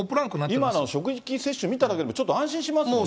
今の職域接種見ただけでも、ちょっと安心しますもんね。